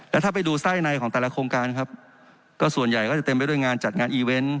แล้วถ้าไปดูไส้ในของแต่ละโครงการครับก็ส่วนใหญ่ก็จะเต็มไปด้วยงานจัดงานอีเวนต์